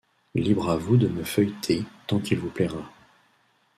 Libre à vous de me feuilleter tant qu’il vous plaira.